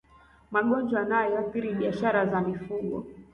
magonjwa yanayoathiri biashara za mifugo